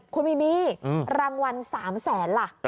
คุณมิมี่รางวัล๓แสนล่ะ